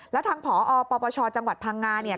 แล้วทางผอปปชจังหวัดพังงาเนี่ย